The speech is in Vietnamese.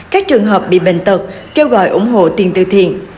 các trường hợp bị bệnh tật kêu gọi ủng hộ tiền từ thiện